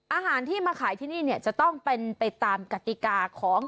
อาหารที่มาขายที่นี่เนี่ยจะต้องเป็นไปตามกติกาของ